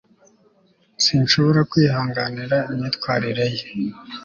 sinshobora kwihanganira imyitwarire ye